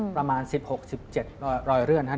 ประมาณสิบหกสิบเจ็ดรอยเลื่อนนะครับ